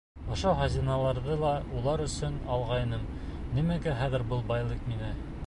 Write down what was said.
Ошо хазиналарҙы ла улар өсөн алғайным, нимәгә хәҙер был байлыҡ миңә?